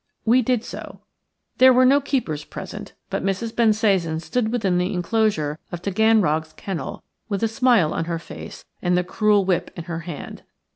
We did so. There were no keepers present, but Mrs. Bensasan stood within the enclosure of Taganrog's kennel with a smile on her face and the cruel whip in her hand.